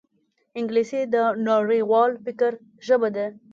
انګلیسي د نړیوال فکر ژبه ده